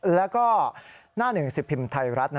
แล้วก็หน้าหนึ่งสิบพิมพ์ไทยรัฐ